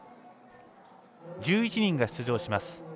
１１人が出場します。